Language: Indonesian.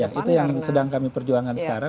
ya itu yang sedang kami perjuangkan sekarang